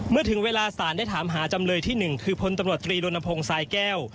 เมื่อถึงเวลาสารได้ถามหาจำเลยที่๑คือพตรลทรายแก้ว